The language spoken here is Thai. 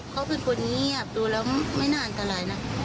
เค้าเป็นคนเงียบดูแล้วไม่นานก็ไหลนะ